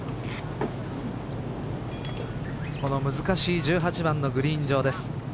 難しい１８番のグリーン上です。